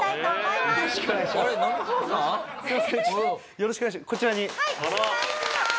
よろしくお願いします。